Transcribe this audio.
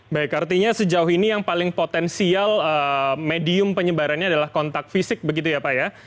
baik artinya sejauh ini yang paling potensial medium penyebarannya adalah kontak fisik begitu ya pak ya